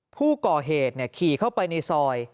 ผู้ก่อเหตุขี่เข้าไปในซอย